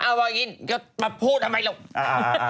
เอาอย่างนี้ก็มาพูดทำไมล่ะ